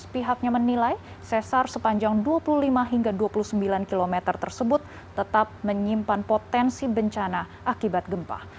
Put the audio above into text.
pihaknya menilai sesar sepanjang dua puluh lima hingga dua puluh sembilan km tersebut tetap menyimpan potensi bencana akibat gempa